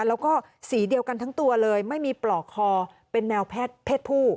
แล้วก็สีเดียวกันทั้งตัวเลยไม่มีปลอกคอเป็นแนวเพศผู้